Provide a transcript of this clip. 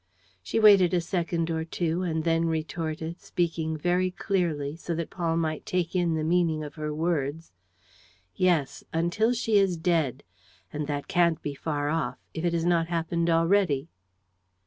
She waited a second or two and then retorted, speaking very clearly, so that Paul might take in the meaning of her words: "Yes, until she is dead. ... And that can't be far off ... if it has not happened already."